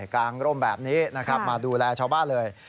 กางรมแบบนี้มาดูแลชาวบ้านเลย